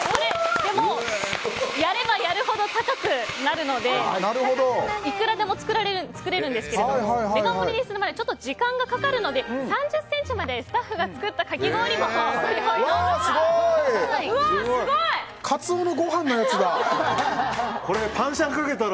やればやるほど高くなるのでいくらでも作れるんですけどもメガ盛りにするまでちょっと時間がかかるので３０ｃｍまでスタッフが作ったかき氷をご用意致しました。